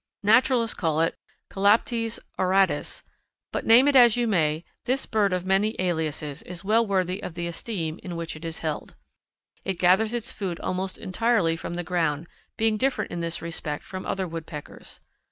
Naturalists call it Colaptes auratus, but name it as you may, this bird of many aliases is well worthy of the esteem in which it is held. It gathers its food almost entirely from the ground, being different in this respect from other Woodpeckers.